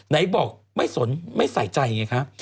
ไหนบอกไม่สนไม่ใส่ใจไงคะ